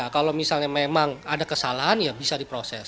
kalau misalnya memang ada kesalahan ya bisa diproses